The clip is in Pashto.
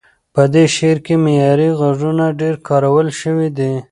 په دې شعر کې معیاري غږونه ډېر کارول شوي دي.